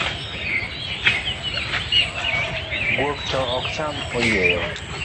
Guok to ok cham oyieyo.